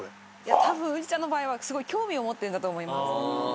たぶんウリちゃんの場合はすごい興味を持ってるんだと思います。